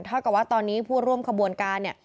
เท่ากับว่าตอนนี้ผู้ร่วมขบวนการเนี่ย